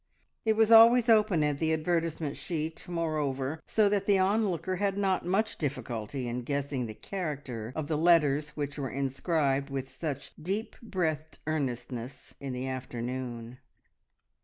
It was always open at the advertisement sheet, moreover, so that the onlooker had not much difficulty in guessing the character of the letters which were inscribed with such deep breathed earnestness in the afternoon.